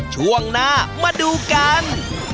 ช่วงหน้ามาดูกัน